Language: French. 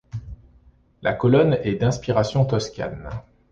La colonne est d'inspiration toscane.